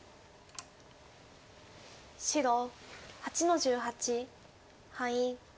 白８の十八ハイ。